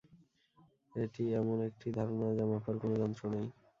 এটি এমন একটি ধারণা, যা মাপার কোনো যন্ত্র নেই।